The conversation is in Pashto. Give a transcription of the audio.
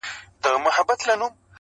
که یې سیلیو چڼچڼۍ وهلي؛